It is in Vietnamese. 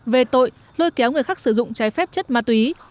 về tội lôi kéo người khác sử dụng trái phép chất ma túy